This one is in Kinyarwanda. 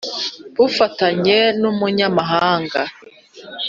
bufatanye n umunyamahanga